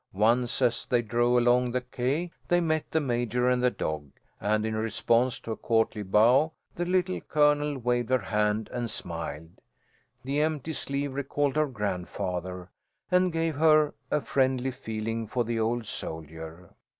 Once, as they drove along the quay, they met the Major and the dog, and in response to a courtly bow, the Little Colonel waved her hand and smiled. The empty sleeve recalled her grandfather, and gave her a friendly feeling for the old soldier.